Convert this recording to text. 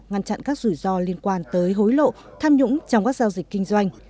ngăn chặn các rủi ro liên quan tới hối lộ tham nhũng trong các giao dịch kinh doanh